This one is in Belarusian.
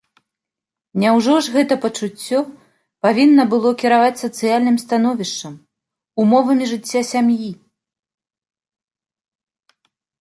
Няўжо ж гэтае пачуццё павінна было кіраваць сацыяльным становішчам, умовамі жыцця сям'і?